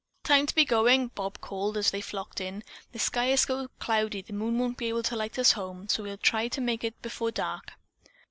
"Time to be going!" Bob called as they flocked in. "The sky is so cloudy, the moon won't be able to light us home, so we'll try to make it before dark."